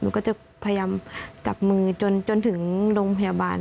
ก็จะพยายามจับมือจนถึงโรงพยาบาล